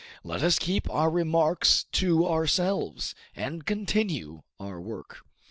Let us keep our remarks to ourselves, and continue our work."